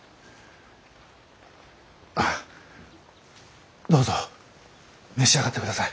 あっどうぞ召し上がってください。